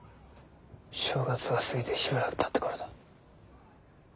正月が過ぎてしばらくたった頃だ。